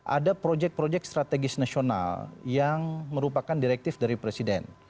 ada proyek proyek strategis nasional yang merupakan direktif dari presiden